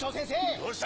どうした？